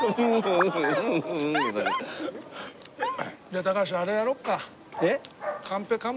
じゃあ高橋あれやろっか？